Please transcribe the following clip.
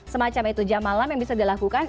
semacam itu jam malam yang bisa dilakukan